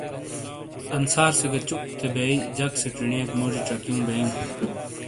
انصار سے گہ چُک تھے بیئی جک چینیئک موجی چکیوں بیئوں۔